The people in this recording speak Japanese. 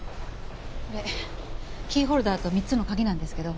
これキーホルダーと３つの鍵なんですけど。